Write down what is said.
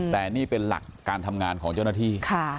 แต่นี่เป็นหลักการทำงานของเจ้าหน้าที่